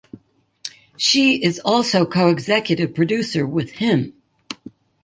She is also co-executive producer with him.